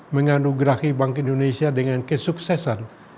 menganugerahi bank indonesia dengan kesuksesan